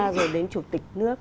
rồi đến chủ tịch nước